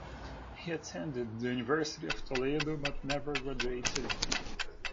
He attended the University of Toledo but never graduated.